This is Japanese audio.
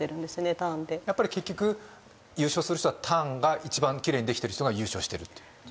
ターンってやっぱり結局優勝する人はターンが一番きれいにできてる人が優勝してるということ？